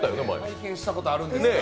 体験したことあるんですけど